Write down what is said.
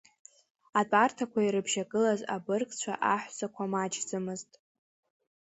Атәарҭақәа ирыбжьагылаз абыргцәа, аҳәсақәа маҷӡамызт.